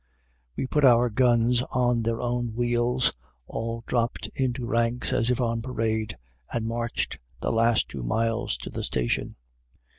We put our guns on their own wheels, all dropped into ranks as if on parade, and marched the last two miles to the station.